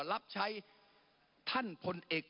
รับใช้ท่านพลเอก